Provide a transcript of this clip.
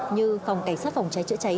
như phòng cảnh sát phòng cháy chữa cháy